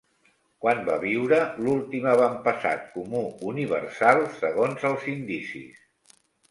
Quan va viure l'últim avantpassat comú universal segons els indicis?